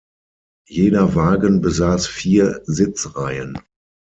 Jeder Wagen besaß vier Sitzreihen.